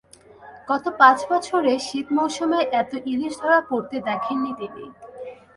গত পাঁচ বছরে শীত মৌসুমে এত ইলিশ ধরা পড়তে দেখেননি তিনি।